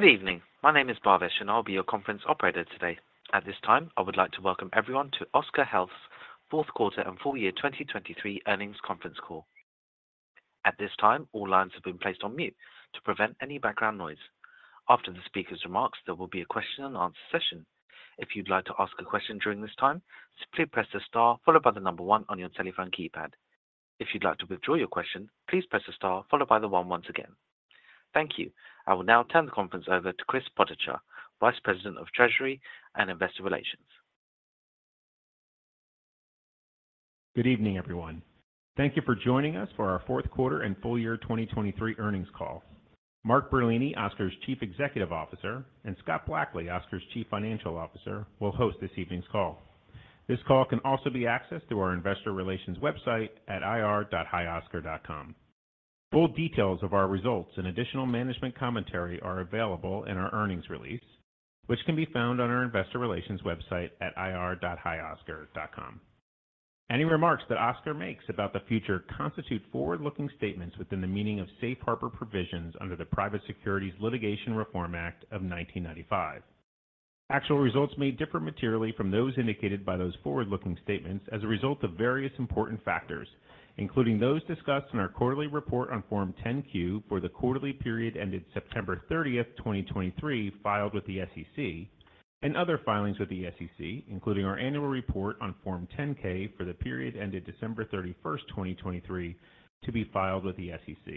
Good evening. My name is Bhavesh, and I'll be your conference operator today. At this time, I would like to welcome everyone to Oscar Health's fourth quarter and full year 2023 earnings conference call. At this time, all lines have been placed on mute to prevent any background noise. After the speaker's remarks, there will be a question-and-answer session. If you'd like to ask a question during this time, simply press the star followed by the 1 on your telephone keypad. If you'd like to withdraw your question, please press the star followed by the 1 once again. Thank you. I will now turn the conference over to Chris Potochar, Vice President of Treasury and Investor Relations. Good evening, everyone. Thank you for joining us for our fourth quarter and full year 2023 earnings call. Mark Bertolini, Oscar's Chief Executive Officer, and Scott Blackley, Oscar's Chief Financial Officer, will host this evening's call. This call can also be accessed through our investor relations website at ir.hioscar.com. Full details of our results and additional management commentary are available in our earnings release, which can be found on our investor relations website at ir.hioscar.com. Any remarks that Oscar makes about the future constitute forward-looking statements within the meaning of Safe Harbor Provisions under the Private Securities Litigation Reform Act of 1995. Actual results may differ materially from those indicated by those forward-looking statements as a result of various important factors, including those discussed in our quarterly report on Form 10-Q for the quarterly period ended September 30, 2023, filed with the SEC, and other filings with the SEC, including our annual report on Form 10-K for the period ended December 31, 2023, to be filed with the SEC.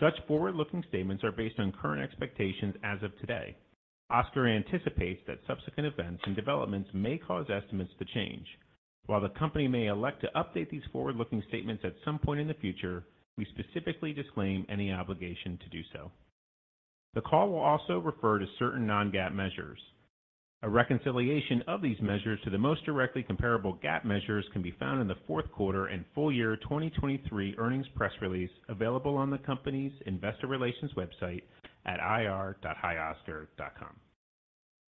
Such forward-looking statements are based on current expectations as of today. Oscar anticipates that subsequent events and developments may cause estimates to change. While the Company may elect to update these forward-looking statements at some point in the future, we specifically disclaim any obligation to do so. The call will also refer to certain non-GAAP measures. A reconciliation of these measures to the most directly comparable GAAP measures can be found in the fourth quarter and full year 2023 earnings press release, available on the company's investor relations website at ir.hioscar.com.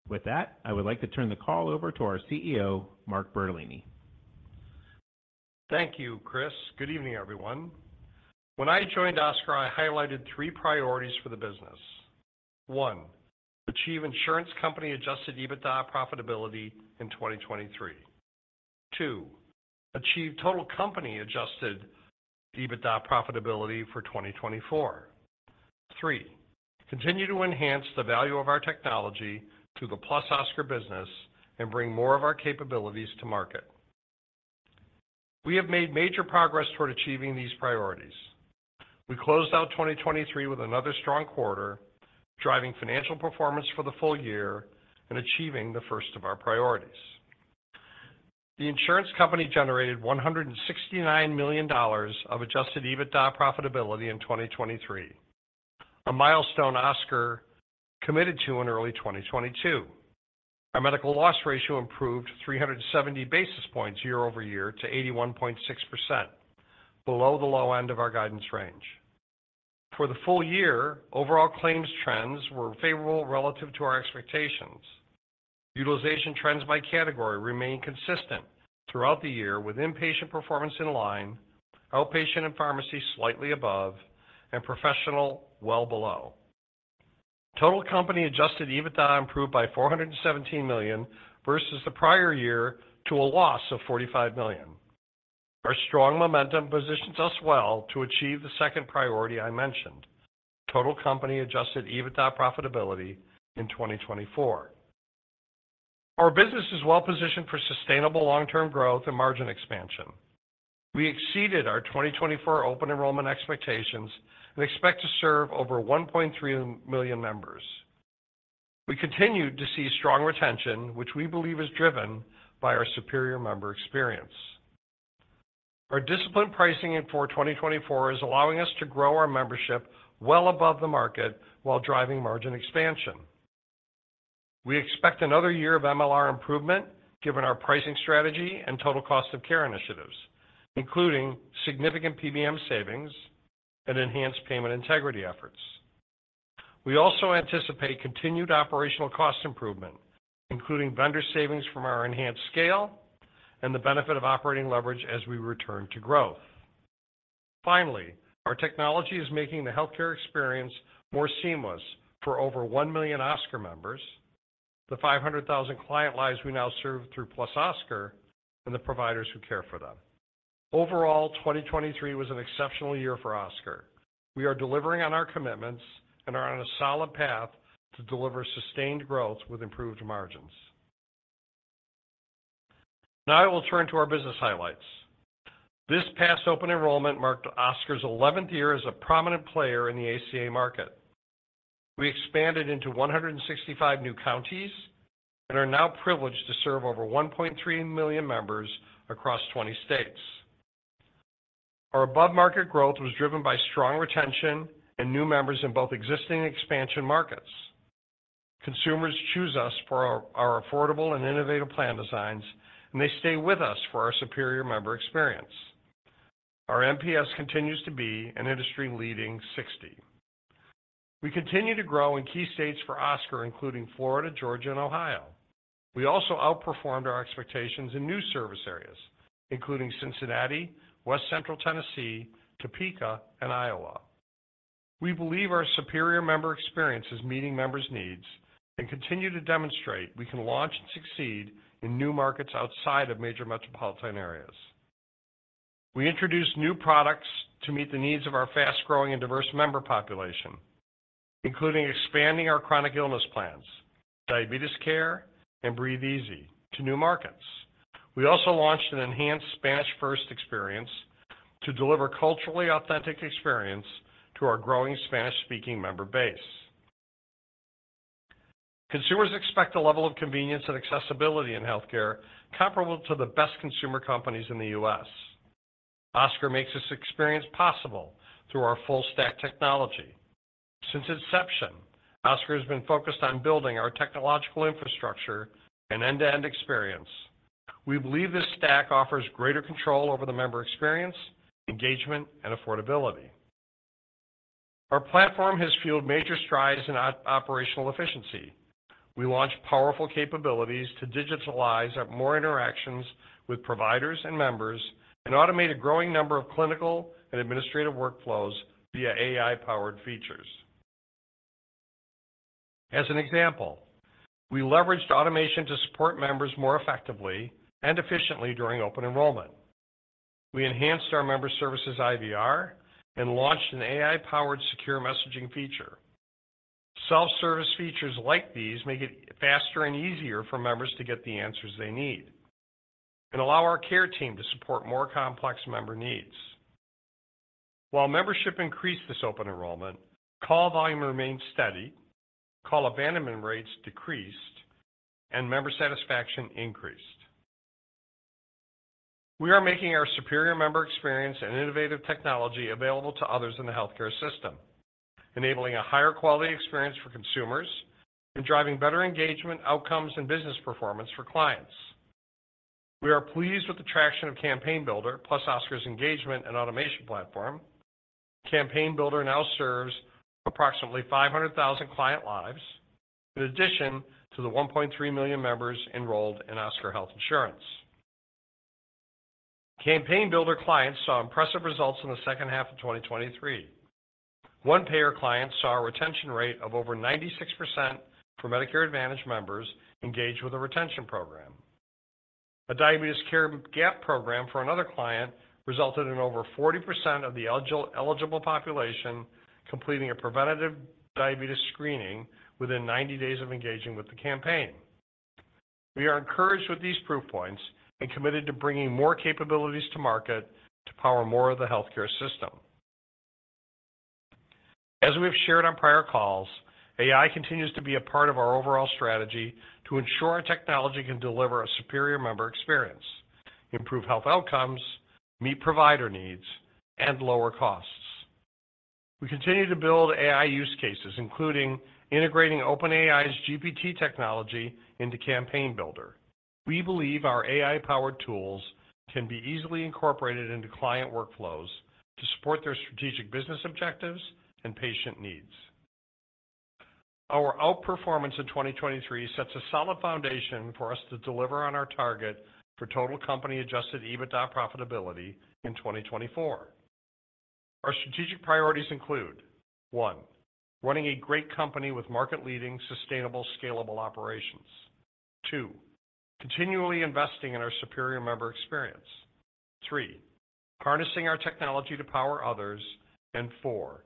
With that, I would like to turn the call over to our CEO, Mark Bertolini. Thank you, Chris. Good evening, everyone. When I joined Oscar, I highlighted three priorities for the business. One, achieve insurance company Adjusted EBITDA profitability in 2023. Two, achieve total company Adjusted EBITDA profitability for 2024. Three, continue to enhance the value of our technology to the +Oscar business and bring more of our capabilities to market. We have made major progress toward achieving these priorities. We closed out 2023 with another strong quarter, driving financial performance for the full year and achieving the first of our priorities. The insurance company generated $169 million of Adjusted EBITDA profitability in 2023, a milestone Oscar committed to in early 2022. Our medical loss ratio improved 370 basis points year-over-year to 81.6%, below the low end of our guidance range. For the full year, overall claims trends were favorable relative to our expectations. Utilization trends by category remained consistent throughout the year, with inpatient performance in line, outpatient and pharmacy slightly above, and professional well below. Total company Adjusted EBITDA improved by $417 million versus the prior year to a loss of $45 million. Our strong momentum positions us well to achieve the second priority I mentioned, total company Adjusted EBITDA profitability in 2024. Our business is well positioned for sustainable long-term growth and margin expansion. We exceeded our 2024 open enrollment expectations and expect to serve over 1.3 million members. We continued to see strong retention, which we believe is driven by our superior member experience. Our disciplined pricing in for 2024 is allowing us to grow our membership well above the market while driving margin expansion. We expect another year of MLR improvement given our pricing strategy and total cost of care initiatives, including significant PBM savings and enhanced payment integrity efforts. We also anticipate continued operational cost improvement, including vendor savings from our enhanced scale and the benefit of operating leverage as we return to growth. Finally, our technology is making the healthcare experience more seamless for over 1 million Oscar members, the 500,000 client lives we now serve through +Oscar, and the providers who care for them. Overall, 2023 was an exceptional year for Oscar. We are delivering on our commitments and are on a solid path to deliver sustained growth with improved margins. Now I will turn to our business highlights. This past open enrollment marked Oscar's eleventh year as a prominent player in the ACA market. We expanded into 165 new counties and are now privileged to serve over 1.3 million members across 20 states. Our above-market growth was driven by strong retention and new members in both existing and expansion markets. Consumers choose us for our, our affordable and innovative plan designs, and they stay with us for our superior member experience. Our NPS continues to be an industry-leading 60. We continue to grow in key states for Oscar, including Florida, Georgia, and Ohio. We also outperformed our expectations in new service areas, including Cincinnati, West Central Tennessee, Topeka, and Iowa. We believe our superior member experience is meeting members' needs and continue to demonstrate we can launch and succeed in new markets outside of major metropolitan areas. We introduced new products to meet the needs of our fast-growing and diverse member population, including expanding our chronic illness plans, Diabetes Care, and Breathe Easy to new markets. We also launched an enhanced Spanish-first experience to deliver culturally authentic experience to our growing Spanish-speaking member base. Consumers expect a level of convenience and accessibility in healthcare, comparable to the best consumer companies in the U.S. Oscar makes this experience possible through our full stack technology. Since inception, Oscar has been focused on building our technological infrastructure and end-to-end experience. We believe this stack offers greater control over the member experience, engagement, and affordability. Our platform has fueled major strides in operational efficiency. We launched powerful capabilities to digitalize our more interactions with providers and members, and automate a growing number of clinical and administrative workflows via AI-powered features. As an example, we leveraged automation to support members more effectively and efficiently during Open Enrollment. We enhanced our member services IVR and launched an AI-powered secure messaging feature. Self-service features like these make it faster and easier for members to get the answers they need, and allow our care team to support more complex member needs. While membership increased this Open Enrollment, call volume remained steady, call abandonment rates decreased, and member satisfaction increased. We are making our superior member experience and innovative technology available to others in the healthcare system, enabling a higher quality experience for consumers and driving better engagement, outcomes, and business performance for clients. We are pleased with the traction of Campaign Builder, +Oscar's engagement and automation platform. Campaign Builder now serves approximately 500,000 client lives, in addition to the 1.3 million members enrolled in Oscar Health Insurance. Campaign Builder clients saw impressive results in the second half of 2023. One payer client saw a retention rate of over 96% for Medicare Advantage members engaged with a retention program. A diabetes care gap program for another client resulted in over 40% of the eligible population completing a preventative diabetes screening within 90 days of engaging with the campaign. We are encouraged with these proof points and committed to bringing more capabilities to market to power more of the healthcare system. As we've shared on prior calls, AI continues to be a part of our overall strategy to ensure our technology can deliver a superior member experience, improve health outcomes, meet provider needs, and lower costs. We continue to build AI use cases, including integrating OpenAI's GPT technology into Campaign Builder. We believe our AI-powered tools can be easily incorporated into client workflows to support their strategic business objectives and patient needs. Our outperformance in 2023 sets a solid foundation for us to deliver on our target for total company Adjusted EBITDA profitability in 2024. Our strategic priorities include: one, running a great company with market-leading, sustainable, scalable operations. Two, continually investing in our superior member experience. Three, harnessing our technology to power others. And four,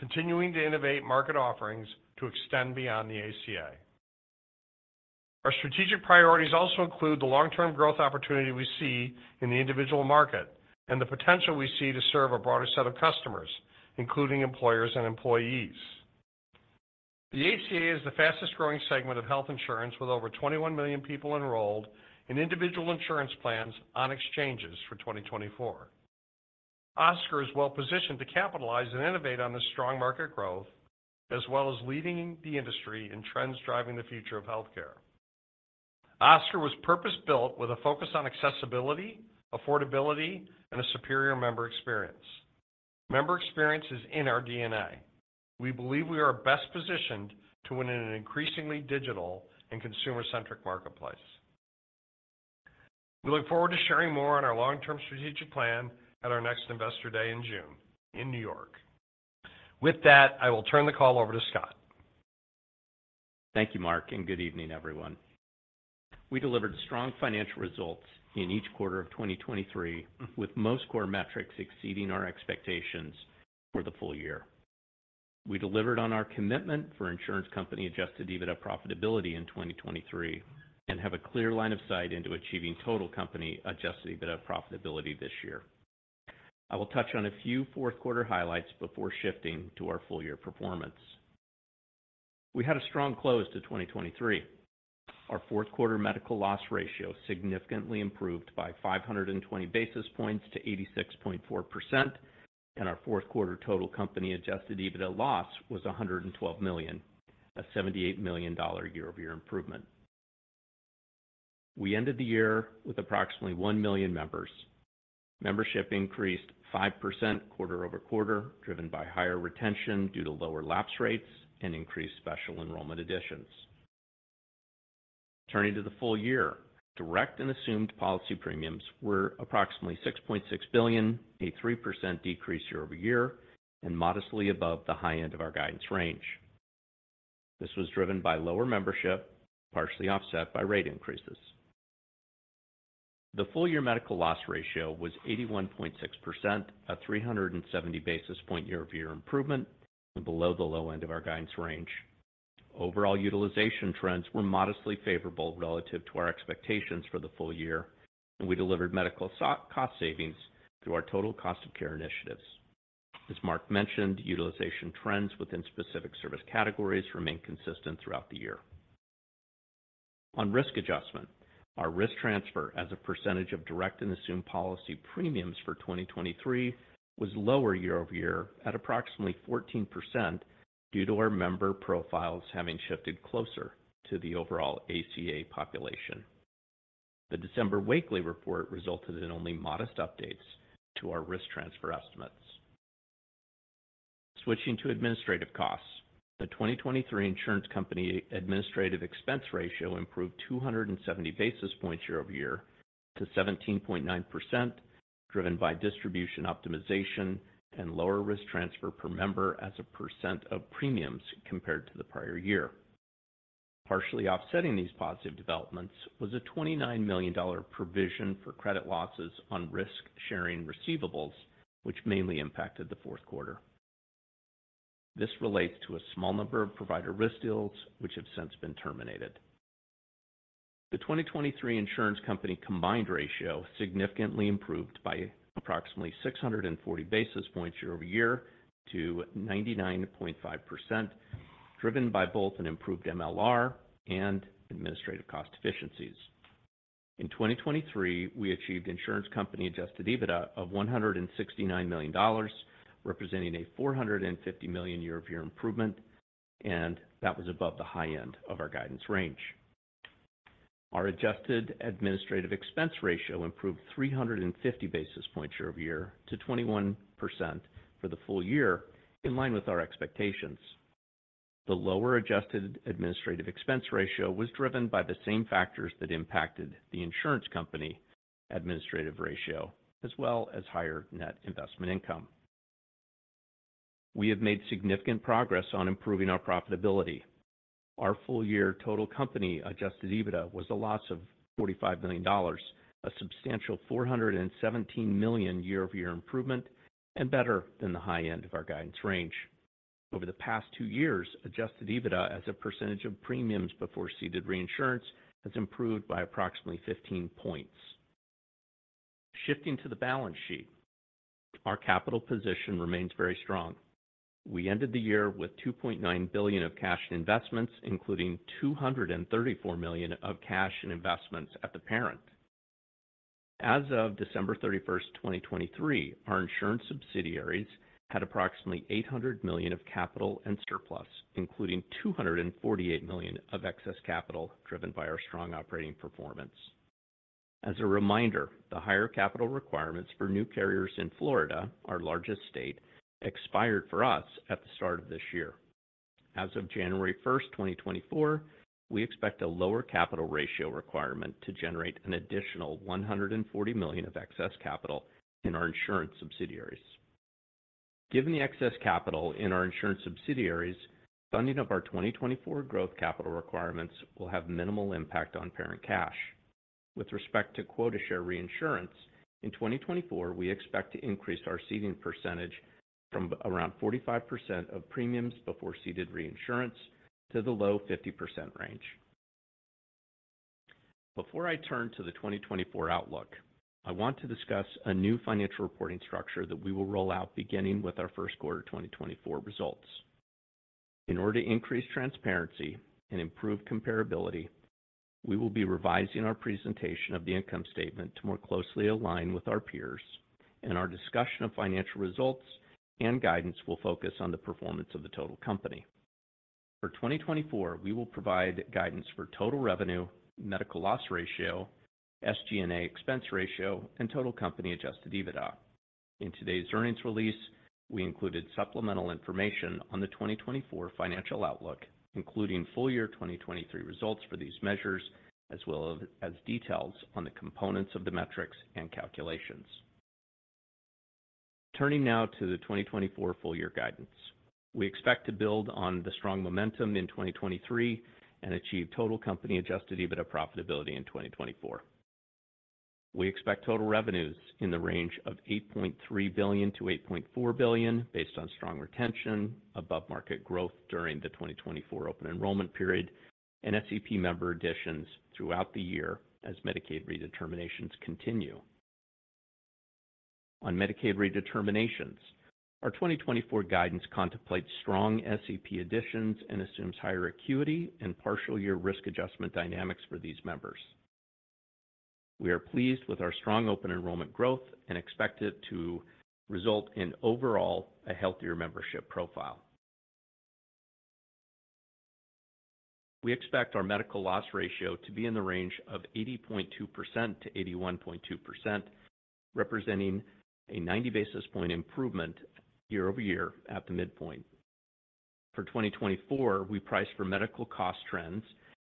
continuing to innovate market offerings to extend beyond the ACA. Our strategic priorities also include the long-term growth opportunity we see in the individual market, and the potential we see to serve a broader set of customers, including employers and employees. The ACA is the fastest growing segment of health insurance, with over 21 million people enrolled in individual insurance plans on exchanges for 2024. Oscar is well positioned to capitalize and innovate on this strong market growth, as well as leading the industry in trends driving the future of healthcare. Oscar was purpose-built with a focus on accessibility, affordability, and a superior member experience. Member experience is in our DNA. We believe we are best positioned to win in an increasingly digital and consumer-centric marketplace. We look forward to sharing more on our long-term strategic plan at our next Investor Day in June, in New York. With that, I will turn the call over to Scott. Thank you, Mark, and good evening, everyone. We delivered strong financial results in each quarter of 2023, with most core metrics exceeding our expectations for the full year. We delivered on our commitment for insurance company Adjusted EBITDA profitability in 2023, and have a clear line of sight into achieving total company Adjusted EBITDA profitability this year. I will touch on a few fourth quarter highlights before shifting to our full year performance. We had a strong close to 2023. Our fourth quarter medical loss ratio significantly improved by 520 basis points to 86.4%, and our fourth quarter total company Adjusted EBITDA loss was $112 million, a $78 million year-over-year improvement. We ended the year with approximately 1 million members. Membership increased 5% quarter-over-quarter, driven by higher retention due to lower lapse rates and increased special enrollment additions. Turning to the full year, direct and assumed policy premiums were approximately $6.6 billion, a 3% decrease year-over-year, and modestly above the high end of our guidance range. This was driven by lower membership, partially offset by rate increases. The full year medical loss ratio was 81.6%, a 370 basis point year-over-year improvement, and below the low end of our guidance range. Overall utilization trends were modestly favorable relative to our expectations for the full year, and we delivered medical cost savings through our total cost of care initiatives. As Mark mentioned, utilization trends within specific service categories remained consistent throughout the year. On risk adjustment, our risk transfer as a percentage of direct and assumed policy premiums for 2023 was lower year-over-year at approximately 14% due to our member profiles having shifted closer to the overall ACA population. The December Wakely report resulted in only modest updates to our risk transfer estimates. Switching to administrative costs, the 2023 insurance company administrative expense ratio improved 270 basis points year-over-year to 17.9%, driven by distribution optimization and lower risk transfer per member as a percent of premiums compared to the prior year. Partially offsetting these positive developments was a $29 million provision for credit losses on risk sharing receivables, which mainly impacted the fourth quarter. This relates to a small number of provider risk deals, which have since been terminated. The 2023 insurance company combined ratio significantly improved by approximately 640 basis points year-over-year to 99.5%, driven by both an improved MLR and administrative cost efficiencies. In 2023, we achieved insurance company Adjusted EBITDA of $169 million, representing a $450 million year-over-year improvement, and that was above the high end of our guidance range. Our adjusted administrative expense ratio improved 350 basis points year-over-year to 21% for the full year, in line with our expectations. The lower adjusted administrative expense ratio was driven by the same factors that impacted the insurance company administrative ratio, as well as higher net investment income. We have made significant progress on improving our profitability. Our full year total company Adjusted EBITDA was a loss of $45 million, a substantial $417 million year-over-year improvement, and better than the high end of our guidance range. Over the past 2 years, Adjusted EBITDA as a percentage of premiums before ceded reinsurance, has improved by approximately 15 points. Shifting to the balance sheet, our capital position remains very strong. We ended the year with $2.9 billion of cash and investments, including $234 million of cash and investments at the parent. As of December 31, 2023, our insurance subsidiaries had approximately $800 million of capital and surplus, including $248 million of excess capital, driven by our strong operating performance. As a reminder, the higher capital requirements for new carriers in Florida, our largest state, expired for us at the start of this year. As of January 1, 2024, we expect a lower capital ratio requirement to generate an additional $140 million of excess capital in our insurance subsidiaries. Given the excess capital in our insurance subsidiaries, funding of our 2024 growth capital requirements will have minimal impact on parent cash. With respect to quota share reinsurance, in 2024, we expect to increase our ceding percentage from around 45% of premiums before ceded reinsurance to the low 50% range. Before I turn to the 2024 outlook, I want to discuss a new financial reporting structure that we will roll out beginning with our first quarter 2024 results. In order to increase transparency and improve comparability, we will be revising our presentation of the income statement to more closely align with our peers, and our discussion of financial results and guidance will focus on the performance of the total company. For 2024, we will provide guidance for total revenue, Medical Loss Ratio, SG&A Expense Ratio, and total company Adjusted EBITDA. In today's earnings release, we included supplemental information on the 2024 financial outlook, including full year 2023 results for these measures, as well as details on the components of the metrics and calculations. Turning now to the 2024 full year guidance. We expect to build on the strong momentum in 2023 and achieve total company Adjusted EBITDA profitability in 2024. We expect total revenues in the range of $8.3 billion-$8.4 billion, based on strong retention, above-market growth during the open enrollment period, and SEP member additions throughout the year as Medicaid redeterminations continue. On Medicaid redeterminations, our 2024 guidance contemplates strong SEP additions and assumes higher acuity and partial year risk adjustment dynamics for these members. We are pleased with our strong open enrollment growth and expect it to result in overall a healthier membership profile... We expect our medical loss ratio to be in the range of 80.2%-81.2%, representing a 90 basis point improvement year-over-year at the midpoint. For 2024, we priced for medical cost trends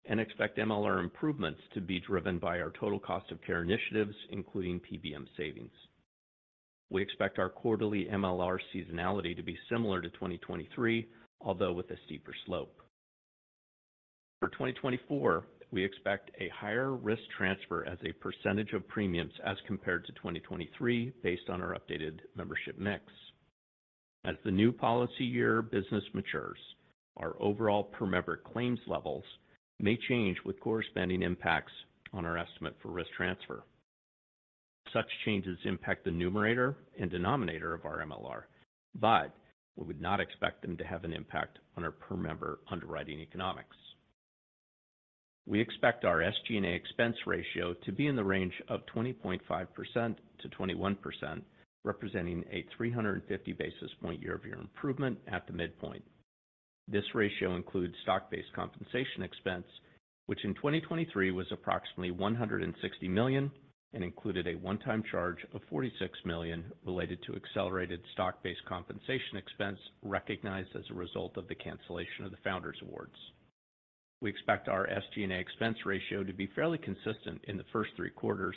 and expect MLR improvements to be driven by our total cost of care initiatives, including PBM savings. We expect our quarterly MLR seasonality to be similar to 2023, although with a steeper slope. For 2024, we expect a higher risk transfer as a percentage of premiums as compared to 2023, based on our updated membership mix. As the new policy year business matures, our overall per-member claims levels may change with corresponding impacts on our estimate for risk transfer. Such changes impact the numerator and denominator of our MLR, but we would not expect them to have an impact on our per-member underwriting economics. We expect our SG&A expense ratio to be in the range of 20.5%-21%, representing a 350 basis point year-over-year improvement at the midpoint. This ratio includes stock-based compensation expense, which in 2023 was approximately $160 million and included a one-time charge of $46 million related to accelerated stock-based compensation expense recognized as a result of the cancellation of the founders awards. We expect our SG&A expense ratio to be fairly consistent in the first three quarters,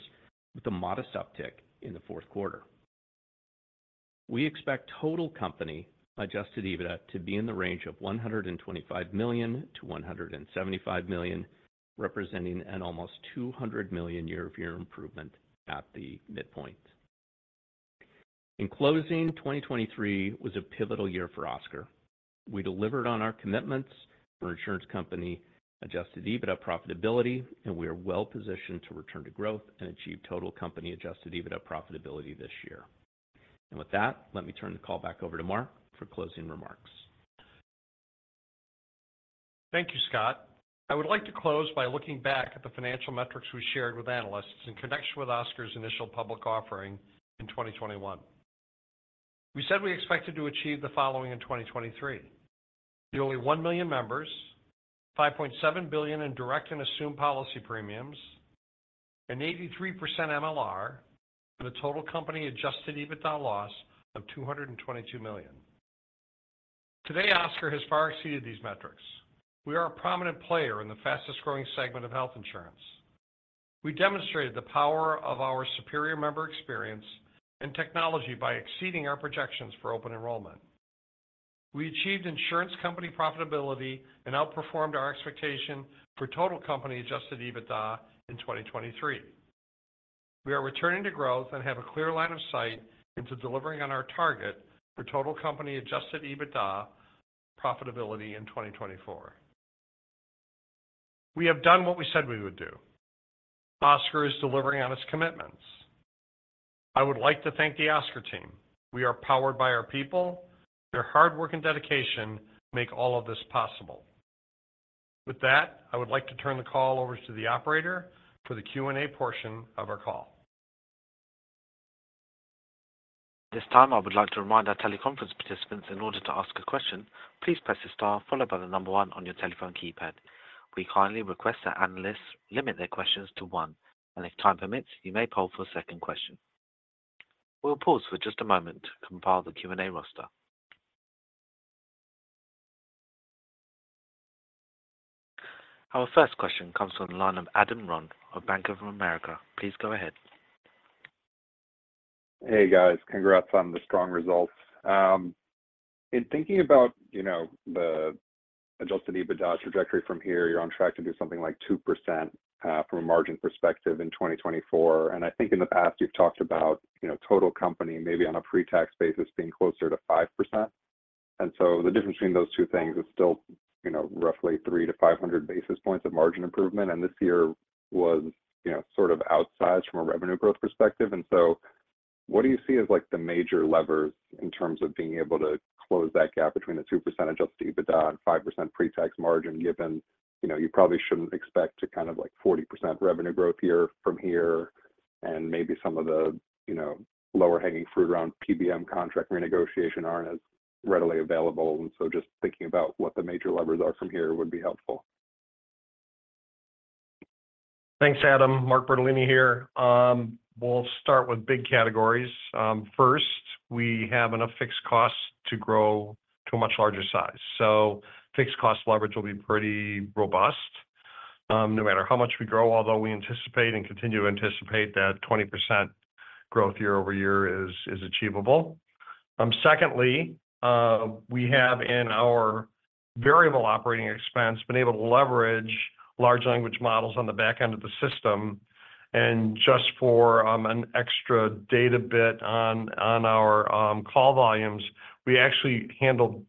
with a modest uptick in the fourth quarter. We expect total company Adjusted EBITDA to be in the range of $125 million-$175 million, representing an almost $200 million year-over-year improvement at the midpoint. In closing, 2023 was a pivotal year for Oscar. We delivered on our commitments for insurance company Adjusted EBITDA profitability, and we are well positioned to return to growth and achieve total company Adjusted EBITDA profitability this year. With that, let me turn the call back over to Mark for closing remarks. Thank you, Scott. I would like to close by looking back at the financial metrics we shared with analysts in connection with Oscar's initial public offering in 2021. We said we expected to achieve the following in 2023: nearly 1 million members, $5.7 billion in direct and assumed policy premiums, an 83% MLR, and a total company Adjusted EBITDA loss of $222 million. Today, Oscar has far exceeded these metrics. We are a prominent player in the fastest-growing segment of health insurance. We demonstrated the power of our superior member experience and technology by exceeding our projections for open enrollment. We achieved insurance company profitability and outperformed our expectation for total company Adjusted EBITDA in 2023. We are returning to growth and have a clear line of sight into delivering on our target for total company Adjusted EBITDA profitability in 2024. We have done what we said we would do. Oscar is delivering on its commitments. I would like to thank the Oscar team. We are powered by our people. Their hard work and dedication make all of this possible. With that, I would like to turn the call over to the operator for the Q&A portion of our call. This time, I would like to remind our teleconference participants, in order to ask a question, please press star followed by the number one on your telephone keypad. We kindly request that analysts limit their questions to one, and if time permits, you may poll for a second question. We'll pause for just a moment to compile the Q&A roster. Our first question comes from the line of Adam Ron of Bank of America. Please go ahead. Hey, guys. Congrats on the strong results. In thinking about, you know, the Adjusted EBITDA trajectory from here, you're on track to do something like 2%, from a margin perspective in 2024. And I think in the past, you've talked about, you know, total company, maybe on a pre-tax basis, being closer to 5%. And so the difference between those two things is still, you know, roughly 300-500 basis points of margin improvement, and this year was, you know, sort of outside from a revenue growth perspective. What do you see as like the major levers in terms of being able to close that gap between the 2% Adjusted EBITDA and 5% pre-tax margin, given, you know, you probably shouldn't expect to kind of like 40% revenue growth year from here, and maybe some of the, you know, lower-hanging fruit around PBM contract renegotiation aren't as readily available? Just thinking about what the major levers are from here would be helpful. Thanks, Adam. Mark Bertolini here. We'll start with big categories. First, we have enough fixed costs to grow to a much larger size, so fixed cost leverage will be pretty robust, no matter how much we grow, although we anticipate and continue to anticipate that 20% growth year-over-year is achievable. Secondly, we have, in our variable operating expense, been able to leverage large language models on the back end of the system. And just for an extra data bit on our call volumes, we actually handled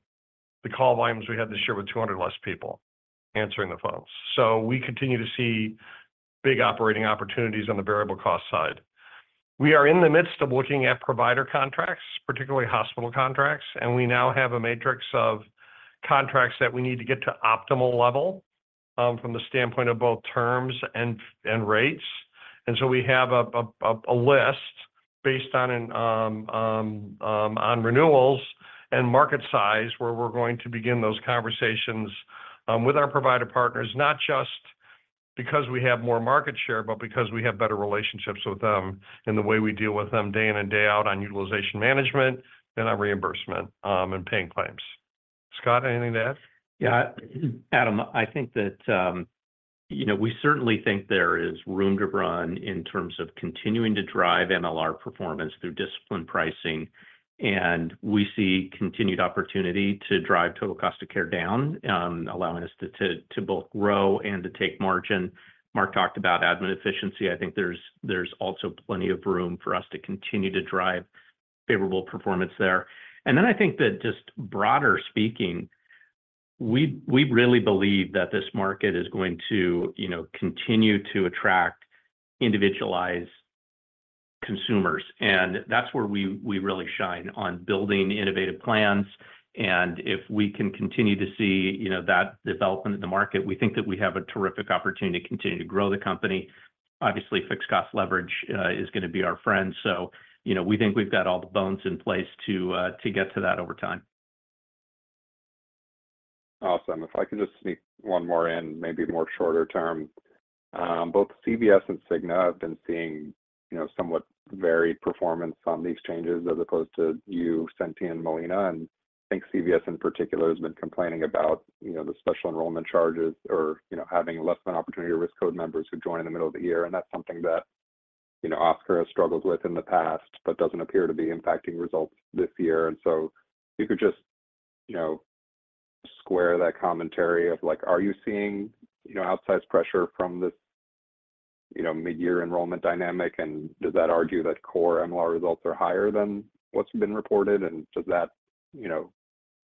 the call volumes we had this year with 200 less people answering the phones. So we continue to see big operating opportunities on the variable cost side. We are in the midst of looking at provider contracts, particularly hospital contracts, and we now have a matrix of contracts that we need to get to optimal level, from the standpoint of both terms and rates. And so we have a list-... based on renewals and market size, where we're going to begin those conversations with our provider partners, not just because we have more market share, but because we have better relationships with them and the way we deal with them day in and day out on utilization management and on reimbursement and paying claims. Scott, anything to add? Yeah, Adam, I think that, you know, we certainly think there is room to run in terms of continuing to drive MLR performance through disciplined pricing, and we see continued opportunity to drive total cost of care down, allowing us to both grow and to take margin. Mark talked about admin efficiency. I think there's also plenty of room for us to continue to drive favorable performance there. And then I think that just broadly speaking, we really believe that this market is going to, you know, continue to attract individualized consumers, and that's where we really shine on building innovative plans. And if we can continue to see, you know, that development in the market, we think that we have a terrific opportunity to continue to grow the company. Obviously, fixed cost leverage is gonna be our friend. You know, we think we've got all the bones in place to get to that over time. Awesome. If I could just sneak one more in, maybe more shorter term. Both CVS and Cigna have been seeing, you know, somewhat varied performance on the exchanges, as opposed to you, Centene, and Molina. And I think CVS in particular has been complaining about, you know, the special enrollment charges or, you know, having less than opportunity risk code members who join in the middle of the year. And that's something that, you know, Oscar has struggled with in the past, but doesn't appear to be impacting results this year. And so if you could just, you know, square that commentary of like, are you seeing, you know, outsized pressure from this, you know, midyear enrollment dynamic? And does that argue that core MLR results are higher than what's been reported? And does that... You know,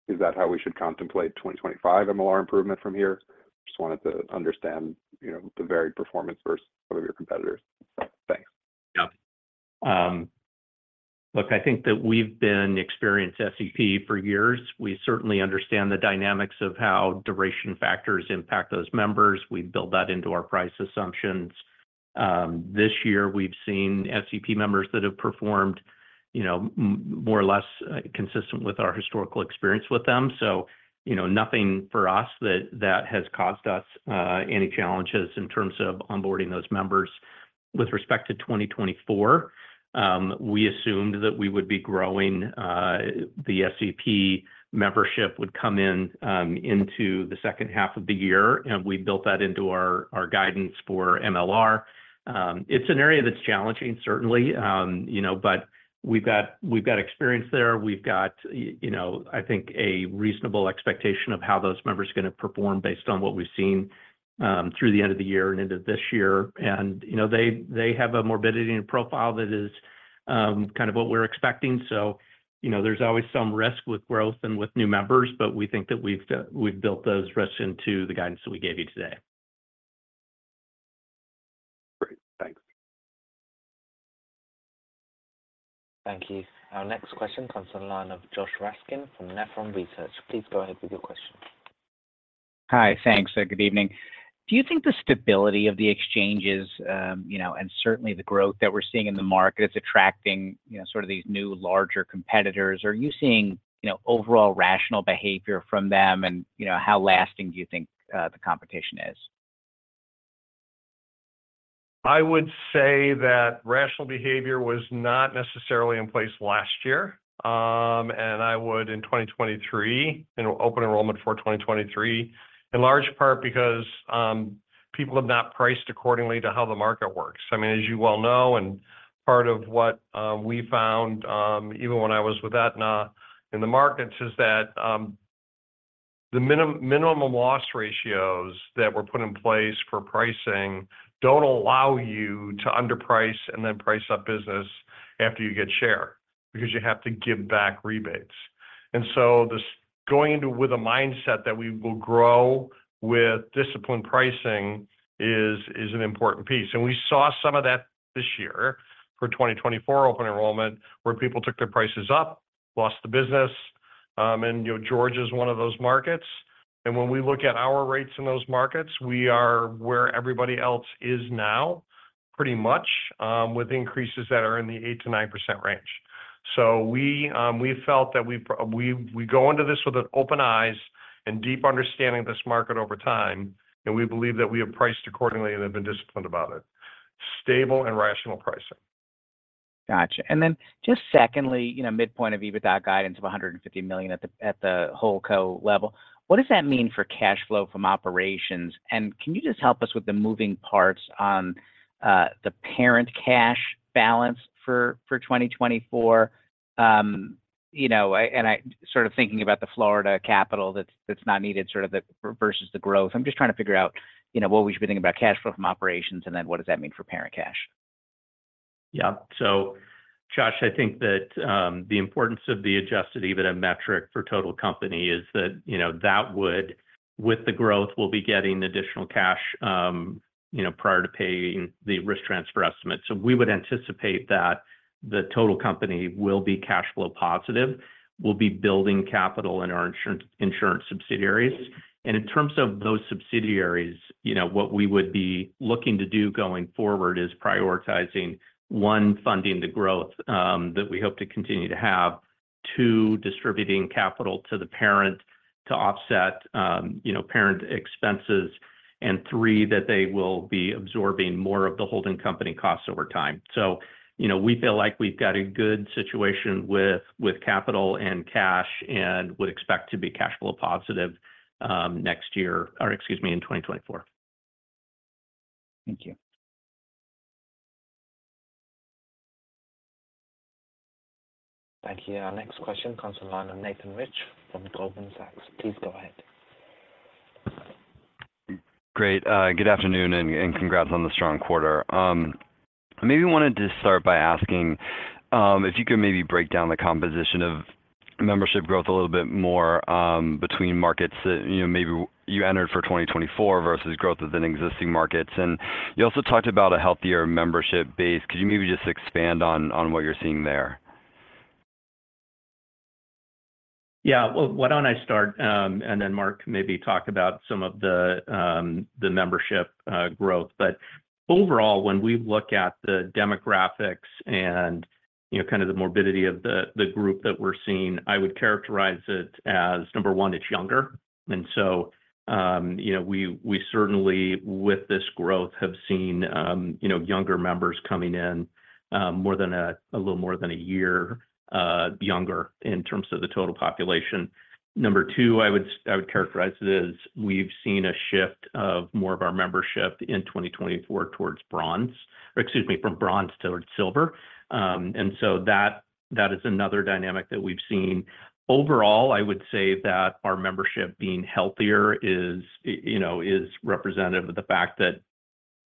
is that how we should contemplate 2025 MLR improvement from here? Just wanted to understand, you know, the varied performance versus some of your competitors. Thanks. Yeah. Look, I think that we've been experienced SEP for years. We certainly understand the dynamics of how duration factors impact those members. We build that into our price assumptions. This year we've seen SEP members that have performed, you know, more or less, consistent with our historical experience with them. So, you know, nothing for us that, that has caused us, any challenges in terms of onboarding those members. With respect to 2024, we assumed that we would be growing, the SEP membership would come in, into the second half of the year, and we built that into our, our guidance for MLR. It's an area that's challenging, certainly, you know, but we've got, we've got experience there. We've got, you know, I think, a reasonable expectation of how those members are gonna perform based on what we've seen through the end of the year and into this year. And, you know, they have a morbidity and profile that is kind of what we're expecting. So, you know, there's always some risk with growth and with new members, but we think that we've built those risks into the guidance that we gave you today. Great. Thanks. Thank you. Our next question comes on the line of Josh Raskin from Nephron Research. Please go ahead with your question. Hi. Thanks. Good evening. Do you think the stability of the exchanges, you know, and certainly the growth that we're seeing in the market is attracting, you know, sort of these new, larger competitors, are you seeing, you know, overall rational behavior from them? And, you know, how lasting do you think the competition is? I would say that rational behavior was not necessarily in place last year, and I would in 2023, in Open Enrollment for 2023, in large part because people have not priced accordingly to how the market works. I mean, as you well know, and part of what we found, even when I was with Aetna in the markets, is that the minimum loss ratios that were put in place for pricing don't allow you to underprice and then price up business after you get share, because you have to give back rebates. And so just going into with a mindset that we will grow with disciplined pricing is an important piece, and we saw some of that this year for 2024 Open Enrollment, where people took their prices up, lost the business. You know, Georgia is one of those markets. When we look at our rates in those markets, we are where everybody else is now, pretty much, with increases that are in the 8%-9% range. So we felt that we go into this with an open eyes and deep understanding of this market over time, and we believe that we have priced accordingly and have been disciplined about it. Stable and rational pricing. Gotcha. And then just secondly, you know, midpoint of EBITDA guidance of $150 million at the, at the whole co level, what does that mean for cash flow from operations? And can you just help us with the moving parts on the parent cash balance for 2024? You know, and I sort of thinking about the Florida capital that's, that's not needed, sort of, the versus the growth. I'm just trying to figure out, you know, what we should be thinking about cash flow from operations, and then what does that mean for parent cash? Yeah. So Josh, I think that, the importance of the Adjusted EBITDA metric for total company is that, you know, that would-- with the growth, we'll be getting additional cash, you know, prior to paying the risk transfer estimate. So we would anticipate that the total company will be cash flow positive. We'll be building capital in our insurance, insurance subsidiaries. And in terms of those subsidiaries, you know, what we would be looking to do going forward is prioritizing, one, funding the growth, that we hope to continue to have.... two, distributing capital to the parent to offset, you know, parent expenses, and three, that they will be absorbing more of the holding company costs over time. You know, we feel like we've got a good situation with capital and cash, and would expect to be cash flow positive next year, or excuse me, in 2024. Thank you. Thank you. Our next question comes from the line of Nathan Rich from Goldman Sachs. Please go ahead. Great. Good afternoon, and congrats on the strong quarter. Maybe wanted to start by asking if you could maybe break down the composition of membership growth a little bit more between markets that, you know, maybe you entered for 2024 versus growth within existing markets. And you also talked about a healthier membership base. Could you maybe just expand on what you're seeing there? Yeah, well, why don't I start, and then Mark maybe talk about some of the, the membership growth. But overall, when we look at the demographics and, you know, kind of the morbidity of the, the group that we're seeing, I would characterize it as, number one, it's younger. And so, you know, we, we certainly, with this growth, have seen, you know, younger members coming in, more than a, a little more than a year younger in terms of the total population. Number two, I would characterize it as we've seen a shift of more of our membership in 2024 towards bronze, or excuse me, from bronze towards silver. And so that, that is another dynamic that we've seen. Overall, I would say that our membership being healthier is, you know, is representative of the fact that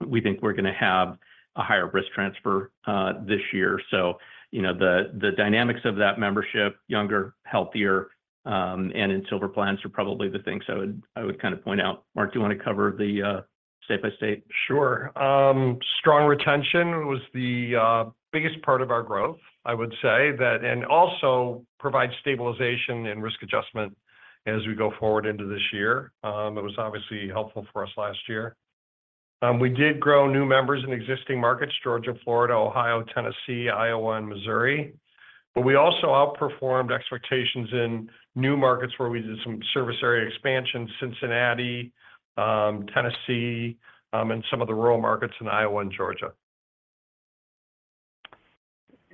we think we're gonna have a higher risk transfer, this year. So, you know, the, the dynamics of that membership, younger, healthier, and in silver plans are probably the things I would, I would kind of point out. Mark, do you want to cover the, state by state? Sure. Strong retention was the biggest part of our growth. I would say that, and also provides stabilization and risk adjustment as we go forward into this year. It was obviously helpful for us last year. We did grow new members in existing markets, Georgia, Florida, Ohio, Tennessee, Iowa, and Missouri. But we also outperformed expectations in new markets where we did some service area expansion, Cincinnati, Tennessee, and some of the rural markets in Iowa and Georgia.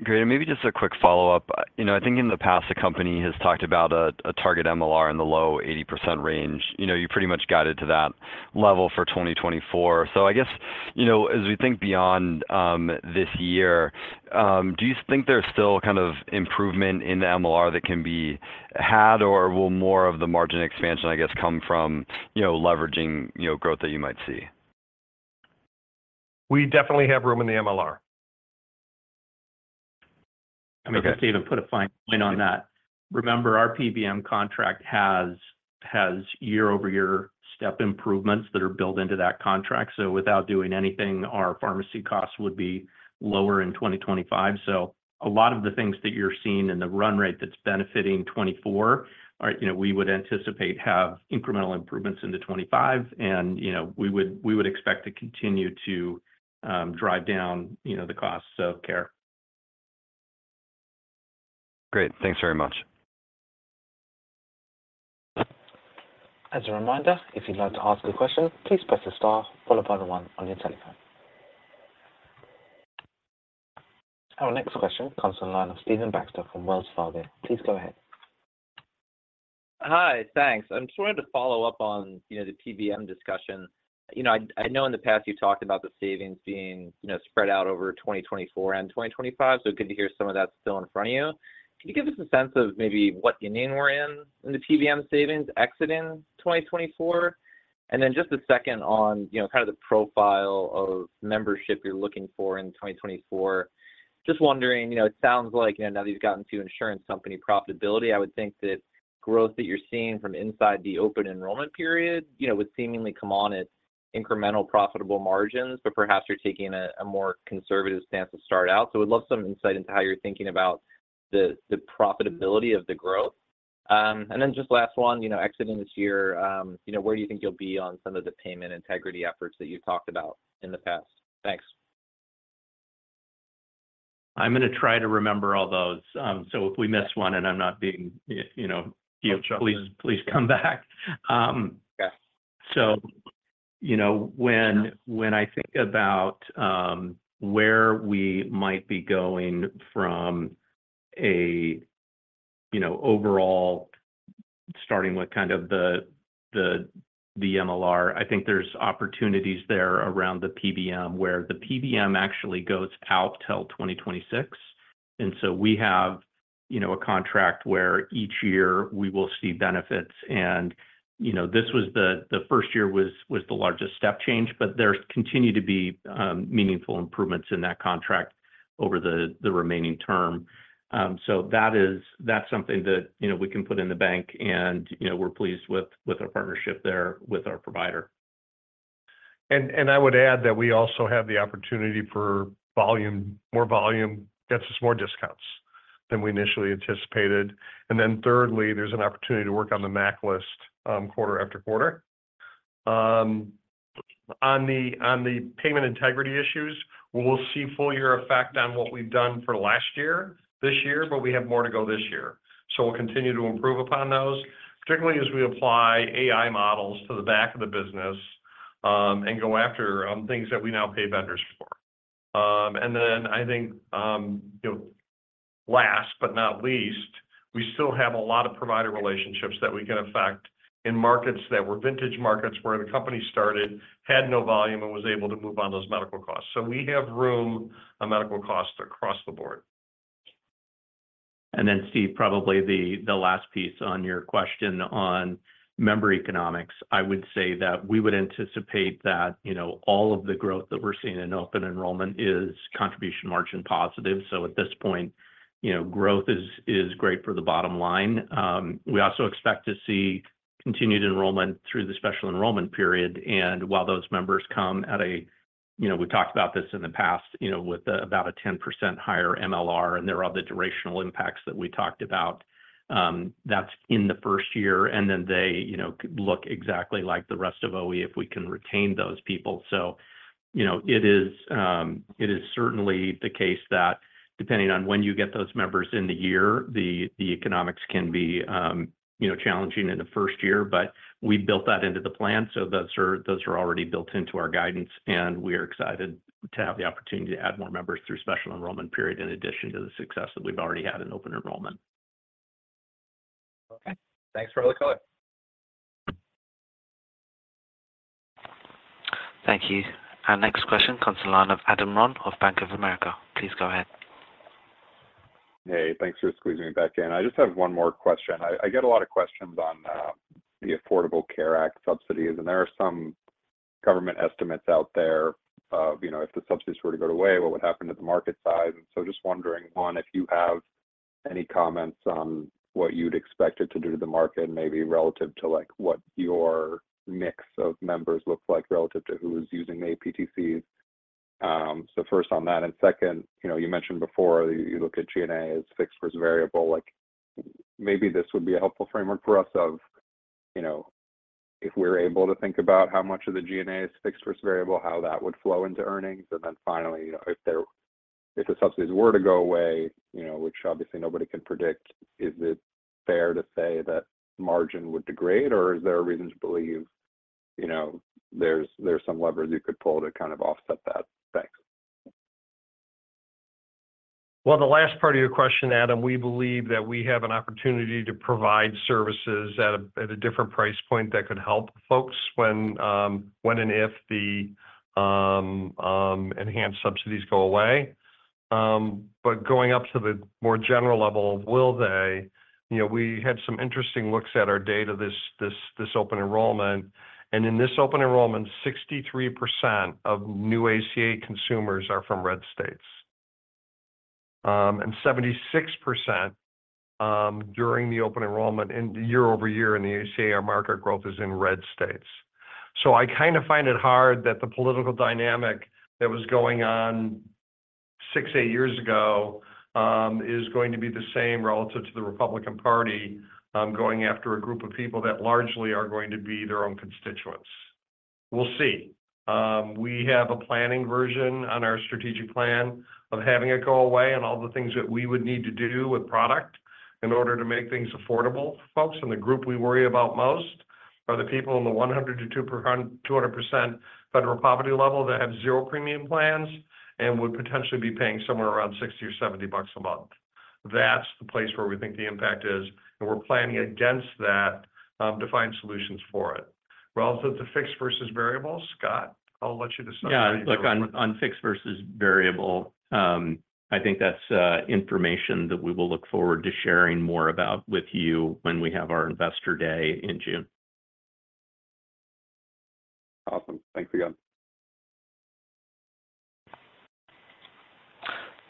Great. Maybe just a quick follow-up. You know, I think in the past, the company has talked about a target MLR in the low 80% range. You know, you pretty much got it to that level for 2024. So I guess, you know, as we think beyond this year, do you think there's still kind of improvement in the MLR that can be had, or will more of the margin expansion, I guess, come from, you know, leveraging, you know, growth that you might see? We definitely have room in the MLR. Let me just even put a fine point on that. Remember, our PBM contract has year-over-year step improvements that are built into that contract, so without doing anything, our pharmacy costs would be lower in 2025. So a lot of the things that you're seeing in the run rate that's benefiting 2024 are, you know, we would anticipate have incremental improvements into 2025. And, you know, we would expect to continue to drive down, you know, the costs of care. Great. Thanks very much. As a reminder, if you'd like to ask a question, please press star followed by the one on your telephone. Our next question comes on the line of Stephen Baxter from Wells Fargo. Please go ahead. Hi. Thanks. I'm just wanting to follow up on, you know, the PBM discussion. You know, I, I know in the past you've talked about the savings being, you know, spread out over 2024 and 2025, so good to hear some of that's still in front of you. Can you give us a sense of maybe what inning we're in, in the PBM savings exiting 2024? And then just a second on, you know, kind of the profile of membership you're looking for in 2024. Just wondering, you know, it sounds like, you know, now that you've gotten to insurance company profitability, I would think that growth that you're seeing from inside the open enrollment period, you know, would seemingly come on at incremental profitable margins, but perhaps you're taking a, a more conservative stance to start out. Would love some insight into how you're thinking about the profitability of the growth. Then just last one, you know, exiting this year, you know, where do you think you'll be on some of the payment integrity efforts that you've talked about in the past? Thanks. I'm gonna try to remember all those. So if we miss one and I'm not being, you know, please, please come back. Yes. So, you know, when I think about where we might be going from a, you know, overall, starting with kind of the MLR, I think there's opportunities there around the PBM, where the PBM actually goes out till 2026. And so we have, you know, a contract where each year we will see benefits, and, you know, this was the first year was the largest step change, but there continue to be meaningful improvements in that contract over the remaining term. So that is, that's something that, you know, we can put in the bank and, you know, we're pleased with our partnership there with our provider. I would add that we also have the opportunity for volume. More volume gets us more discounts than we initially anticipated. And then thirdly, there's an opportunity to work on the MAC list quarter after quarter. On the payment integrity issues, we'll see full-year effect on what we've done for last year, this year, but we have more to go this year. So we'll continue to improve upon those, particularly as we apply AI models to the back of the business, and go after things that we now pay vendors for. And then I think, you know, last but not least, we still have a lot of provider relationships that we can affect in markets that were vintage markets, where the company started, had no volume, and was able to move on those medical costs. We have room on medical costs across the board. Then, Steve, probably the last piece on your question on member economics, I would say that we would anticipate that, you know, all of the growth that we're seeing in open enrollment is contribution margin positive. So at this point, you know, growth is great for the bottom line. We also expect to see continued enrollment through the special enrollment period, and while those members come at a—you know, we talked about this in the past, you know, with about a 10% higher MLR, and there are the durational impacts that we talked about. That's in the first year, and then they, you know, look exactly like the rest of OE if we can retain those people. So, you know, it is certainly the case that depending on when you get those members in the year, the economics can be, you know, challenging in the first year. But we built that into the plan, so those are already built into our guidance, and we are excited to have the opportunity to add more members through special enrollment period, in addition to the success that we've already had in open enrollment. Okay. Thanks for all the color. Thank you. Our next question comes from the line of Adam Ron of Bank of America. Please go ahead. Hey, thanks for squeezing me back in. I just have one more question. I, I get a lot of questions on the Affordable Care Act subsidies, and there are some government estimates out there of, you know, if the subsidies were to go away, what would happen to the market size? And so just wondering, one, if you have any comments on what you'd expect it to do to the market, maybe relative to, like, what your mix of members look like relative to who is using the APTCs. So first on that, and second, you know, you mentioned before that you look at SG&A as fixed versus variable. Like, maybe this would be a helpful framework for us of, you know, if we're able to think about how much of the SG&A is fixed versus variable, how that would flow into earnings. And then finally, you know, if the subsidies were to go away, you know, which obviously nobody can predict, is it fair to say that margin would degrade, or is there a reason to believe, you know, there's some leverage you could pull to kind of offset that? Thanks. Well, the last part of your question, Adam, we believe that we have an opportunity to provide services at a different price point that could help folks when and if the enhanced subsidies go away. But going up to the more general level, will they? You know, we had some interesting looks at our data, this open enrollment, and in this open enrollment, 63% of new ACA consumers are from red states. And 76%, during the open enrollment in the year over year in the ACA, our market growth is in red states. So I kind of find it hard that the political dynamic that was going on 6-8 years ago is going to be the same relative to the Republican Party going after a group of people that largely are going to be their own constituents. We'll see. We have a planning version on our strategic plan of having it go away and all the things that we would need to do with product in order to make things affordable for folks. The group we worry about most are the people in the 100%-200% federal poverty level that have 0 premium plans and would potentially be paying somewhere around $60 or $70 a month. That's the place where we think the impact is, and we're planning against that to find solutions for it. Relative to fixed versus variable, Scott, I'll let you discuss that. Yeah, look, on fixed versus variable, I think that's information that we will look forward to sharing more about with you when we have our Investor Day in June. Awesome. Thanks again.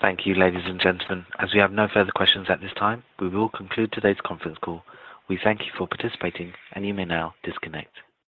Thank you, ladies and gentlemen. As we have no further questions at this time, we will conclude today's conference call. We thank you for participating, and you may now disconnect.